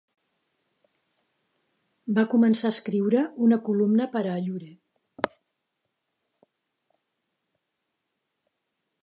Va començar a escriure una columna per a "Allure".